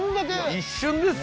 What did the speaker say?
一瞬ですよ。